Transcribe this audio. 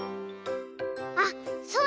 あっそうだ！